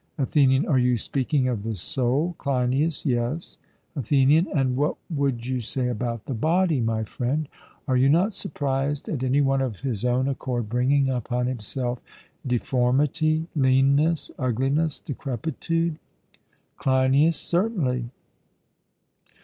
ATHENIAN: Are you speaking of the soul? CLEINIAS: Yes. ATHENIAN: And what would you say about the body, my friend? Are you not surprised at any one of his own accord bringing upon himself deformity, leanness, ugliness, decrepitude? CLEINIAS: Certainly.